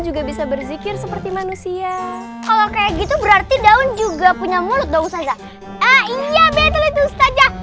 juga bisa berzikir seperti manusia kalau kayak gitu berarti daun juga punya mulut dong ustazah